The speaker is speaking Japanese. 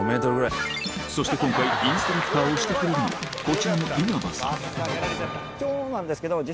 そして今回インストラクターをしてくれるのはこちらの呼吸をすること。